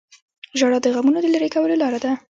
• ژړا د غمونو د لرې کولو لاره ده.